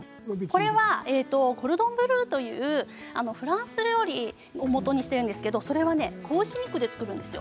これはコルドンブルーというフランス料理をもとにしているんですけどそれが子牛肉で作るんです。